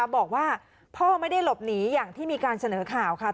บอกว่าพ่อไม่ได้หลบหนีอย่างที่มีการเสนอข่าวค่ะ